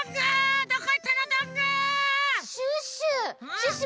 シュッシュ！